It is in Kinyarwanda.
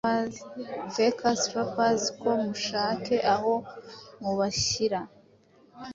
Fake ass rappers bo mushake aho mubashyira